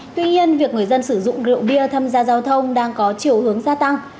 tuy nhiên việc người dân sử dụng rượu bia tham gia giao thông đang có chiều hướng gia tăng